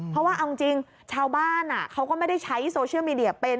เพราะว่าเอาจริงชาวบ้านเขาก็ไม่ได้ใช้โซเชียลมีเดียเป็น